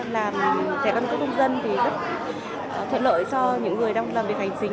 làm thẻ căn cước công dân thì rất thuận lợi cho những người đang làm việc hành chính